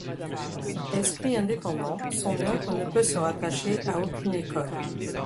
Esprit indépendant, son œuvre ne peut se rattacher à aucune école.